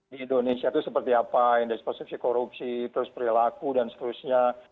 di indonesia itu seperti apa indeks persepsi korupsi terus perilaku dan seterusnya